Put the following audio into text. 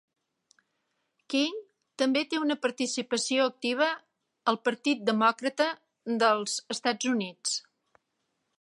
King també té una participació activa al partit demòcrata dels EUA.